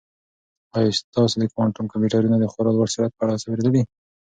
آیا تاسو د کوانټم کمپیوټرونو د خورا لوړ سرعت په اړه څه اورېدلي؟